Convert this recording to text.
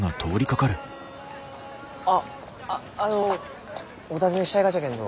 ああのお尋ねしたいがじゃけんど。